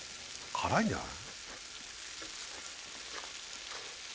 辛いんじゃない？